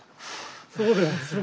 そうですね。